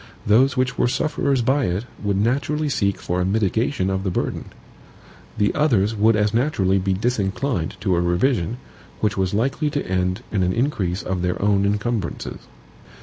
Those which were sufferers by it would naturally seek for a mitigation of the burden. The others would as naturally be disinclined to a revision, which was likely to end in an increase of their own incumbrances.